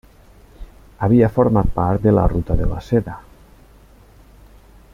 Havia format part de la ruta de la Seda.